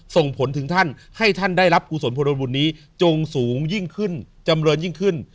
ส่งผลถึงท่านให้ท่านได้รับกุศลพลบุญนี้จงสูงยิ่งขึ้นจำเรินยิ่งขึ้น